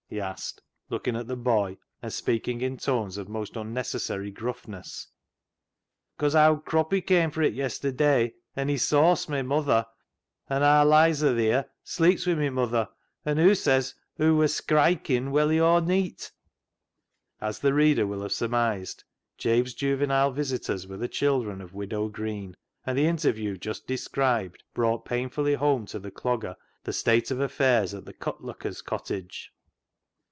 " he asked, looking at the boy, and speaking in tones of most unnecessary grufifness. " 'Cause Owd Croppy came for it yesterday, an' he sauced my muther, an' aar Lizer theer sleeps wi' my muther, an' hoo says hoo wur skrikin' welly aw neet." As the reader will have surmised, Jabe's juvenile visitors were the children of Widow Green, and the interview just described brought painfully home to the Clogger the state of affairs at the cut looker's cottage.